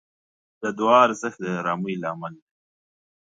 د دعا ارزښت د آرامۍ لامل دی.